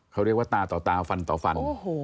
เขาเรียกว่าตาต่อตาฟันต่อฟัน